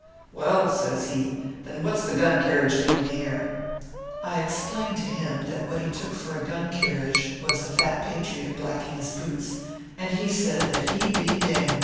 " Well," says he, " then what s the gun carriage doing here ?" I explained to him that what he took for a gun carriage was a fat patriot blacking his boots ; and he said that he be dam.